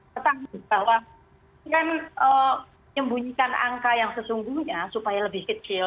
pertama bahwa kan nyembunyikan angka yang sesungguhnya supaya lebih kecil